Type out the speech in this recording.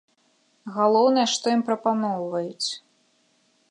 Галоўнае, што ім прапаноўваюць.